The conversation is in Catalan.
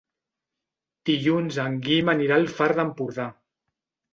Dilluns en Guim anirà al Far d'Empordà.